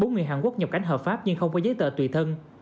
bốn người hàn quốc nhập cảnh hợp pháp nhưng không có giấy tờ tùy thân